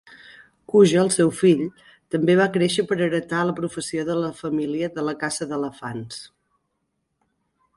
Kuje, el seu fill, també va créixer per heretar la professió de la família de la caça d'elefants.